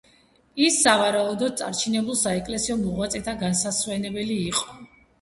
ის, სავარაუდოდ, წარჩინებულ საეკლესიო მოღვაწეთა განსასვენებელი იყო.